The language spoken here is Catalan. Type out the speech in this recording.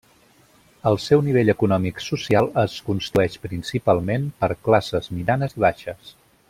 El seu nivell econòmic social es constitueix principalment per classes mitjanes i baixes.